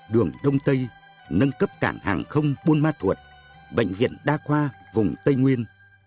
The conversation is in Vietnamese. đường đông tây nâng cấp cảng hàng không buôn ma thuột bệnh viện đa khoa vùng tây nguyên